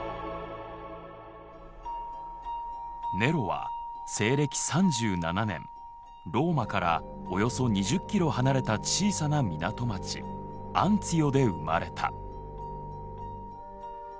ネロは西暦３７年ローマからおよそ２０キロ離れた小さな港町アンツィオで生まれた。